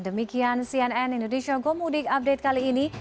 demikian cnn indonesia gomudik update kali ini